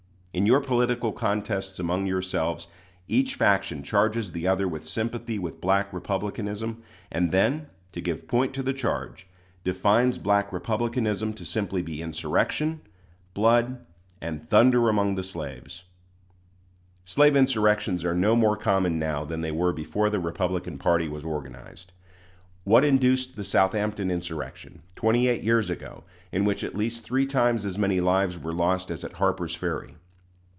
In your political contests among yourselves, each faction charges the other with sympathy with Black Republicanism; and then, to give point to the charge, defines Black Republicanism to simply be insurrection, blood, and thunder among the slaves. Slave insurrections are no more common now than they were before the Republican party was organized. What induced the Southampton insurrection, twenty eight years ago, in which at least three times as many lives were lost as at Harper's Ferry?